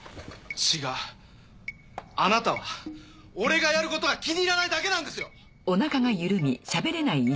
違うあなたは俺がやることが気に入らないだけなんですよ。